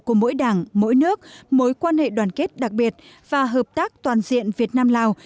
của mỗi đảng mỗi nước mối quan hệ đoàn kết đặc biệt và hợp tác toàn diện việt nam lào